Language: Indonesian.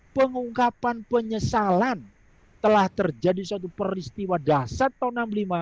pengungkapan penyesalan telah terjadi suatu peristiwa dasar tahun seribu sembilan ratus enam puluh lima